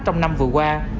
trong năm vừa qua